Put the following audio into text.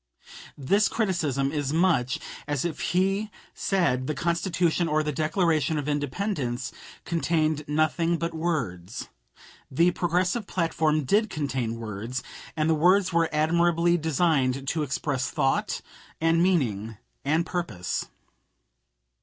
This criticism is much as if he said the Constitution or the Declaration of Independence contained nothing but words. The Progressive platform did contain words, and the words were admirably designed to express thought and meaning and purpose.